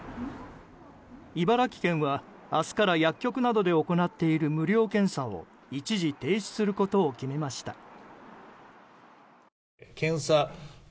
茨城県は明日から薬局などで行っている無料検査を一時停止することを決めました。